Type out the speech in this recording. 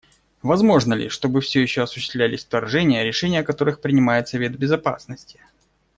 Возможно ли, чтобы все еще осуществлялись вторжения, решение о которых принимает Совет Безопасности?